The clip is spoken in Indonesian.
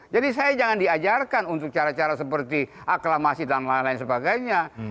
jadi saya jangan diajarkan untuk cara cara seperti aklamasi dan lain lain sebagainya